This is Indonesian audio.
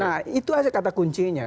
nah itu aja kata kuncinya